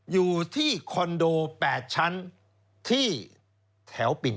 อยู่ที่คอนโด๘ชั้นที่แถวปิ่น